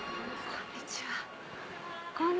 こんにちは。